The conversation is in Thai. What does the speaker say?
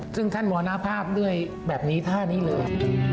ซึ่งท่านมันนาภาพด้วยแบบนี้ท่านี้เลย